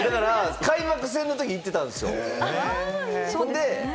開幕戦のとき行ってたんですよ。